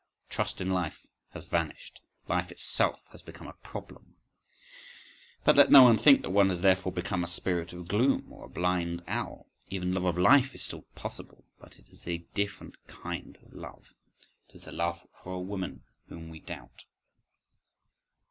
… Trust in life has vanished; life itself has become a problem.—But let no one think that one has therefore become a spirit of gloom or a blind owl! Even love of life is still possible,—but it is a different kind of love.… It is the love for a woman whom we doubt.